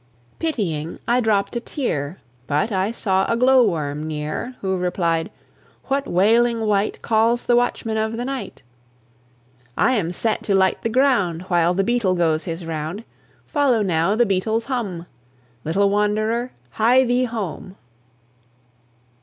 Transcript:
Pitying, I dropped a tear; But I saw a glow worm near, Who replied, "What wailing wight Calls the watchman of the night? "I am set to light the ground While the beetle goes his round. Follow now the beetle's hum Little wanderer, hie thee home!"